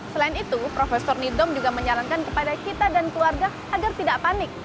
selain itu profesor nidom juga menyarankan kepada kita dan keluarga agar tidak panik